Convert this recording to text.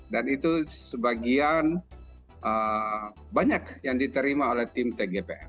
dan itu sebagian banyak yang diterima oleh tim tgipf